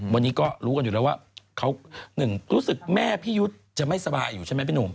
วันนี้ก็รู้กันอยู่แล้วว่าเขาหนึ่งรู้สึกแม่พี่ยุทธ์จะไม่สบายอยู่ใช่ไหมพี่หนุ่ม